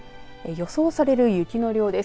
予想される雪の量です。